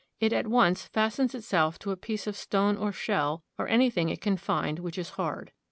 It at once fastens itself to a piece of stone or shell or anything it can find which is hard.